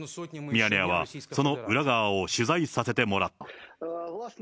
ミヤネ屋はその裏側を取材させてもらった。